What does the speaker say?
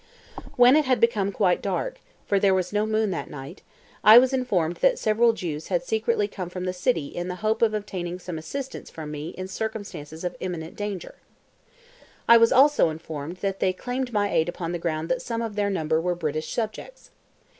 When it had become quite dark (for there was no moon that night) I was informed that several Jews had secretly come from the city in the hope of obtaining some assistance from me in circumstances of imminent danger; I was also informed that they claimed my aid upon the ground that some of their number were British subjects.